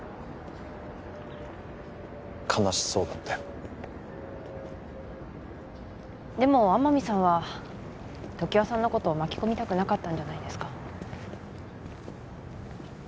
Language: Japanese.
悲しそうだったよでも天海さんは常盤さんのことを巻き込みたくなかったんじゃないですか？